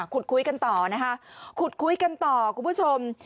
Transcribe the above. คุยกันต่อนะคะขุดคุยกันต่อคุณผู้ชม